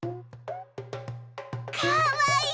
かわいい！